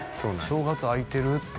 「正月あいてる？」って